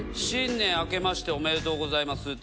「新年あけましておめでとうございます」。